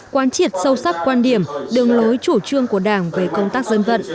quan triệt sâu sắc quan điểm đường lối chủ trương của đảng về công tác dân vận